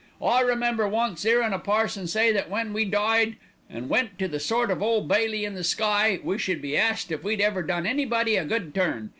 "I remember once 'earin' a parson say that when we died and went to the sort of Ole Bailey in the sky, we should be asked if we'd ever done anybody a good turn.